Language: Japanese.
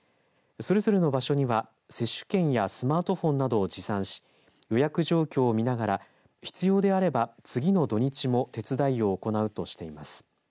それぞれの場所には、接種券やスマートフォンなどを持参し予約状況を見ながら必要であれば、次の土日も手伝いを行うとしています。